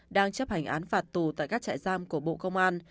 đang chấp hành án phạt tù tại các trại giam của bộ công an